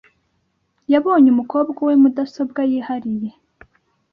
Yabonye umukobwa we mudasobwa yihariye .